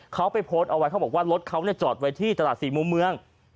เขาบอกว่ารถเขาจอดไว้ที่ตลาดศรีมุมเมือง